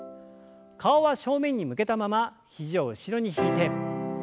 顔は正面に向けたまま肘を後ろに引いて。